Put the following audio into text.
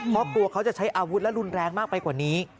เพราะกลัวเขาจะใช้อาวุธและรุนแรงมากไปกว่านี้